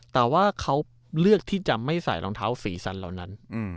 แต่ว่าเขาเลือกที่จะไม่ใส่รองเท้าสีสันเหล่านั้น